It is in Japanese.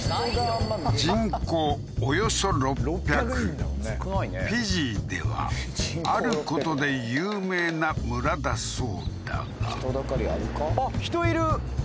人口およそ６００フィジーではあることで有名な村だそうだが人だかりあるか？